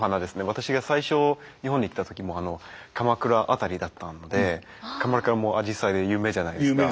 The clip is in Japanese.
私が最初日本に来た時も鎌倉辺りだったので鎌倉もあじさいが有名じゃないですか。